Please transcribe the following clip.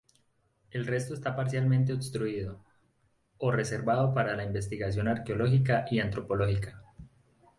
El resto está parcialmente obstruido, o reservado para la investigación arqueológica y antropológica.